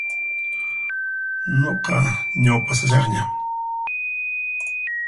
Nuqa ñaupashasaqña.